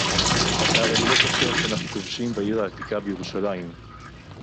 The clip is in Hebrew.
אתה הרי לא חושב שאנחנו כובשים בעיר העתיקה בירושלים